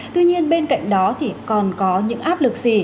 tuy nhiên bên cạnh đó thì còn có những áp lực gì